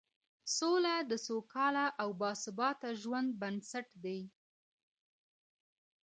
سوله د سوکاله او باثباته ژوند بنسټ دی